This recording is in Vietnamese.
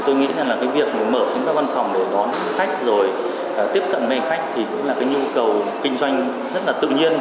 tôi nghĩ rằng là cái việc mở những cái văn phòng để đón khách rồi tiếp cận mềm khách thì cũng là cái nhu cầu kinh doanh rất là tự nhiên